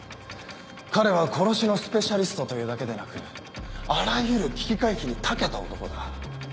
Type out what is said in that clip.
彼は殺しのスペシャリストというだけでなくあらゆる危機回避に長けた男だ。